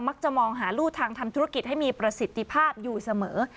จะมองหารู่ทางทำธุรกิจให้มีประสิทธิภาพอยู่เสมอ